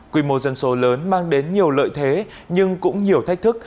quy mô dân số lớn mang đến nhiều lợi thế nhưng cũng nhiều thách thức